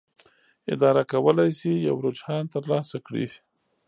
اداره کولی شي یو رجحان ترلاسه کړي.